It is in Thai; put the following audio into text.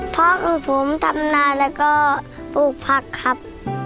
พ่อคือผมทำนาแล้วก็ปลูกผักครับ